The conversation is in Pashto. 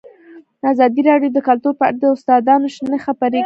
ازادي راډیو د کلتور په اړه د استادانو شننې خپرې کړي.